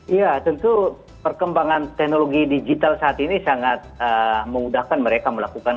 iya tentu perkembangan teknologi digital saat ini sangat memudahkan mereka melakukan